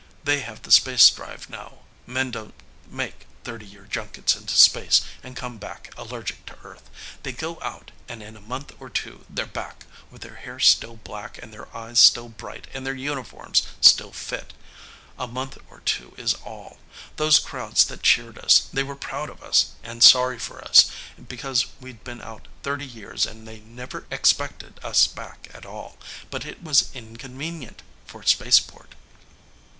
They have the spacedrive now. Men don't make thirty year junkets into space and come back allergic to Earth. They go out, and in a month or two they're back, with their hair still black and their eyes still bright and their uniforms still fit. A month or two is all. Those crowds that cheered us, they were proud of us and sorry for us, because we'd been out thirty years and they never expected us back at all. But it was inconvenient for Spaceport."